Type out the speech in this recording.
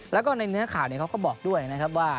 แล้วก็ในเนื้อข่าวเขาก็บอกด้วยนะครับว่า